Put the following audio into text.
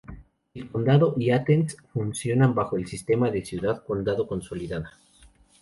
El condado y Athens funcionan bajo el sistema de ciudad-condado consolidada.